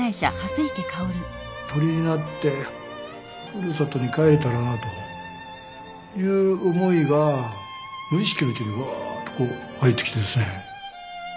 鳥になってふるさとに帰れたらなという思いが無意識のうちにわっとこう湧いてきてですね。